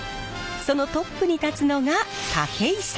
そのトップに立つのが武井さん。